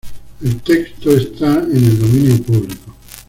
El texto está en el dominio público.